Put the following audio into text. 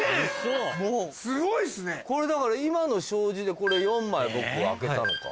これだから今の障子で４枚僕開けたのか。